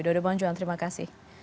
dodo bang johan terima kasih